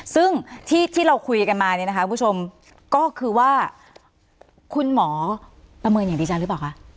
ซึ่งที่เราคุยกันมาเนี่ยนะคะคุณผู้ชมก็คือว่าคุณหมอประเมินอย่างดีจังหรือเปล่าคะ